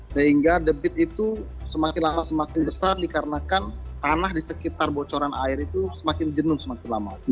sehingga debit itu semakin lama semakin besar dikarenakan tanah di sekitar bocoran air itu semakin jenuh semakin lama